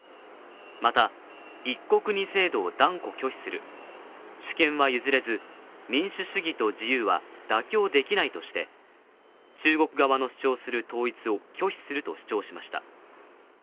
また、一国二制度を断固拒否する主権は譲れず、民主主義と自由は妥協できないとして中国側の主張する統一を拒否すると主張しました。